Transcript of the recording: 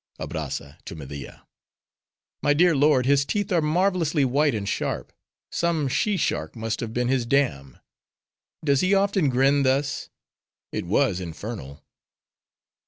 ABRAZZA (to Media)—My dear lord, his teeth are marvelously white and sharp: some she shark must have been his dam:—does he often grin thus? It was infernal!